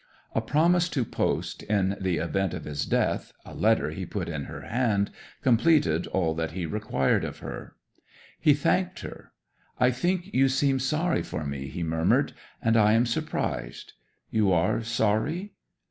A promise to post, in the event of his death, a letter he put in her hand, completed all that he required of her. 'He thanked her. "I think you seem sorry for me," he murmured. "And I am surprised. You are sorry?"